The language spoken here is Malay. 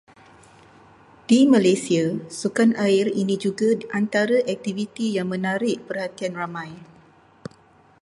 Di Malaysia sukan air ini juga antara aktiviti yang menarik perhatian ramai.